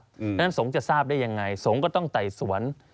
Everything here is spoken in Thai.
เพราะฉะนั้นสงฆ์จะทราบได้ยังไงสงฆ์ก็ต้องไต่สวน